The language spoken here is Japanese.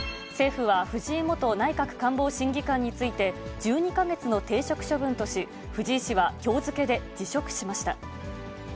政府は藤井元内閣官房審議官について、１２か月の停職処分とし、藤井氏はきょう付けで辞職しました。